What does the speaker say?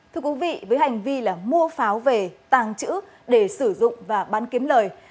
thưa quý vị với hành vi mua pháo về tàng chữ để sử dụng và bán kiếm lời